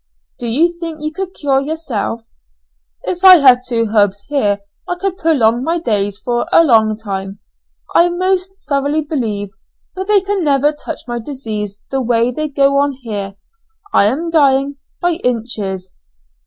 "Do you think you could cure yourself?" "If I had two herbs here I could prolong my days for a long time, I most thoroughly believe, but they can never touch my disease the way they go on here I am dying by inches."